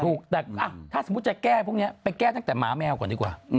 ถูกแต่ถ้าสมมุติจะแก้พวกนี้ไปแก้ตั้งแต่หมาแมวก่อนดีกว่า